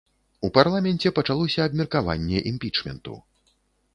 У парламенце пачалося абмеркаванне імпічменту.